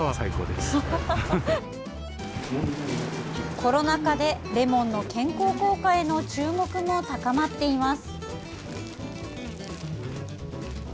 コロナ禍でレモンの健康効果への注目も高まっています。